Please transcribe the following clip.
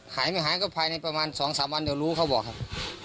หายไม่หายก็ภายในประมาณ๒๓วันเดี๋ยวรู้เขาบอกครับ